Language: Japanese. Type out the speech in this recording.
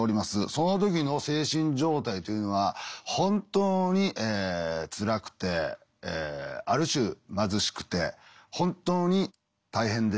その時の精神状態というのは本当につらくてある種貧しくて本当に大変でした。